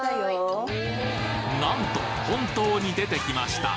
なんと本当に出てきました。